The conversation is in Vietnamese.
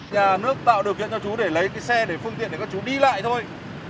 nhà nước tạo điều kiện cho chú để lấy cái xe để phương tiện để các chú đi lại thôi